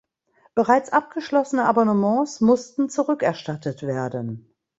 Bereits abgeschlossene Abonnements mussten zurückerstattet werden.